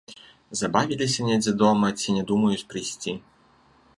Забавіліся недзе дома ці не думаюць прыйсці.